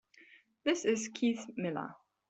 This is Keith Miller.